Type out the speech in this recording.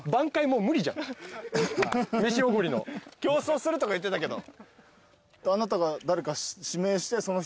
競争するとか言ってたけど。